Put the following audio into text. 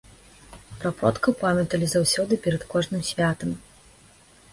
Пра продкаў памяталі заўсёды перад кожным святам.